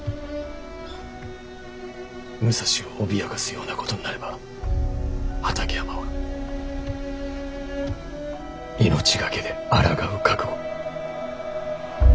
武蔵を脅かすようなことになれば畠山は命懸けであらがう覚悟。